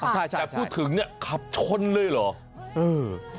แต่พูดถึงขับคนด้วยหรอ